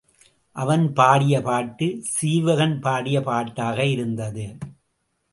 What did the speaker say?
அவன் பாடிய பாட்டு சீவகன்பாடிய பாட்டாக இருந்தது.